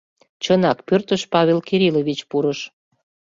Чынак, пӧртыш Павел Кириллович пурыш.